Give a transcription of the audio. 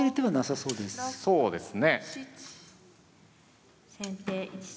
そうですね。